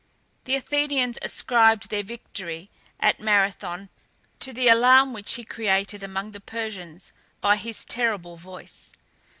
The Athenians ascribed their victory at Marathon to the alarm which he created among the Persians by his terrible voice.